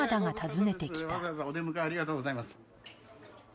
わざわざお出迎えありがとうございます。